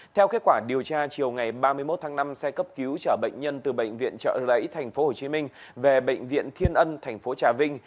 theo kết quả điều tra chiều ngày ba mươi một tháng năm xe cấp cứu trở bệnh nhân từ bệnh viện trợ lấy tp hồ chí minh về bệnh viện thiên ân tp trà vinh